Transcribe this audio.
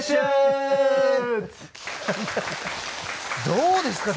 どうですか？